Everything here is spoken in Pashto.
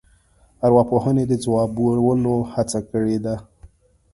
ارواپوهنې د ځوابولو هڅه کړې ده.